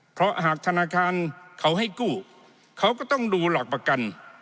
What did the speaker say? เพราะหากธนาคารเขาให้กู้เขาก็ต้องดูหลักประกัน